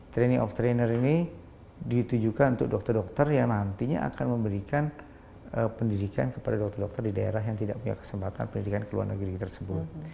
training of trainer ini ditujukan untuk dokter dokter yang nantinya akan memberikan pendidikan kepada dokter dokter di daerah yang tidak punya kesempatan pendidikan ke luar negeri tersebut